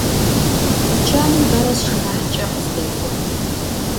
Tuçanım bera sşşınahıç'e khızdek'o.